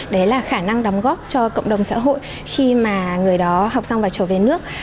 đấy là khả năng đóng góp cho cộng đồng xã hội khi mà người đó học xong và trở về nước